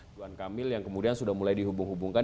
tuan kamil yang kemudian sudah mulai dihubung hubungkan